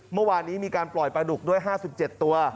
เมื่อวานนี้มีการปล่อยปลาดุกด้วย๕๗ตัว